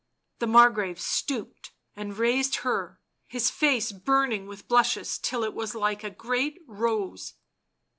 .. The Margrave stooped and raised her, his face burn ing with blushes till it was like a great rose.